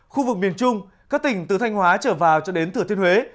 khu vực miền trung các tỉnh từ thanh hóa trở vào cho đến thừa thiên huế